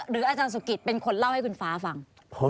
อาจารย์สุกิตเป็นคนเล่าให้คุณฟ้าฟัง